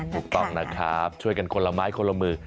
ถูกต้องนะครับช่วยกันคนละไม้คนละมือ